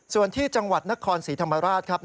ส่วนที่จังหวัดนครศรีธรรมราชครับ